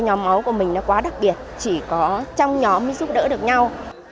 nhóm máu của mình nó quá đặc biệt chỉ có trong nhóm mới giúp đỡ được nhau